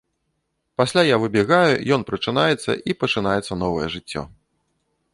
Пасля я выбягаю, ён прачынаецца, і пачынаецца новае жыццё.